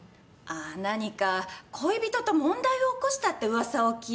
あ何か恋人と問題を起こしたって噂を聞いて。